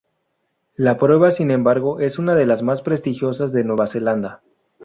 La prueba, sin embargo es una de las más prestigiosas de Nueva Zelanda.